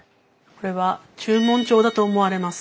これは註文帳だと思われます。